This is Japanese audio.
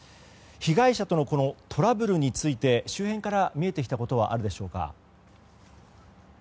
被害者とのトラブルについて周辺から見えてきたことはあるでしょうか。